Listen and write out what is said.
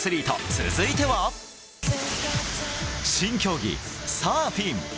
続いては、新競技サーフィン。